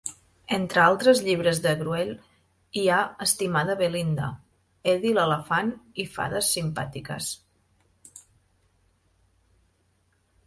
Entre altres llibres de Gruelle hi ha "Estimada Belinda", "Eddie l'elefant" i "Fades simpàtiques".